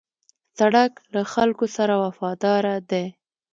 سړک له خلکو سره وفاداره دی.